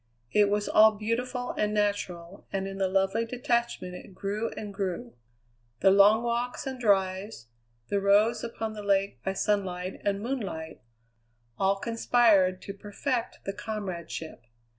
It was all beautiful and natural, and in the lovely detachment it grew and grew. The long walks and drives, the rows upon the lake by sunlight and moonlight, all conspired to perfect the comradeship.